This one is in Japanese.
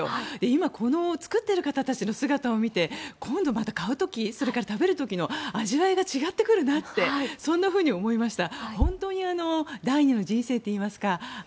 今、この作っている方たちの姿を見て今度、また買う時それから食べる時の味わいが違ってくるなってそんなふうに思いました。